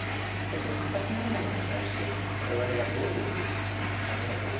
その形ないものに対して我々がどういうふうに向かい合うべきなのか。